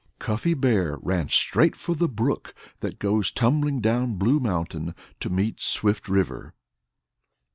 Cuffy Bear ran straight for the brook that goes tumbling down Blue Mountain to meet Swift River.